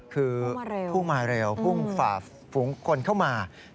คือผู้มาเร็วผู้ฝ่าฝุงคนเข้ามา